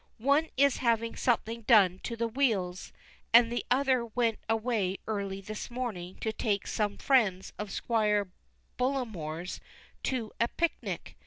One is having something done to the wheels, and the other went away early this morning to take some friends of Squire Bullamore's to a pic nic.